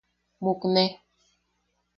Mukne.